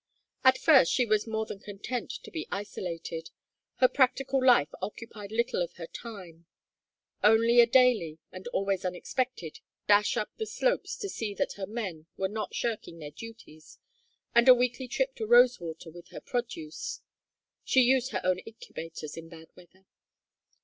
At first she was more than content to be so isolated. Her practical life occupied little of her time; only a daily, and always unexpected, dash up the slopes to see that her men were not shirking their duties, and a weekly trip to Rosewater with her produce: she used her own incubators in bad weather.